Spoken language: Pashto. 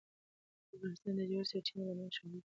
افغانستان د ژورې سرچینې له امله شهرت لري.